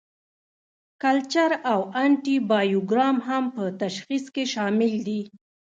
کلچر او انټي بایوګرام هم په تشخیص کې شامل دي.